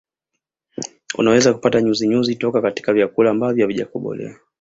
Unaweza kupata nyuzinyuzi toka katika vyakula ambavyo havijakobolewa